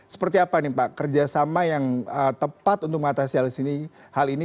seperti apa nih pak kerjasama yang tepat untuk mengatasi hal ini